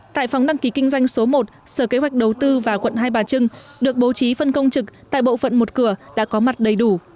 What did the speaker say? tại phòng đăng ký kinh doanh số một sở kế hoạch đầu tư và quận hai bà trưng được bố trí phân công trực tại bộ phận một cửa đã có mặt đầy đủ